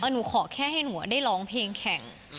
หนูขอแค่ให้หนูได้ร้องเพลงแข่ง